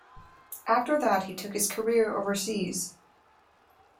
After that he took his career overseas.